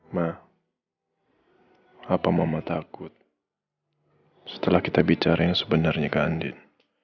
ma apa mama takut setelah kita bicara yang sebenarnya ke andin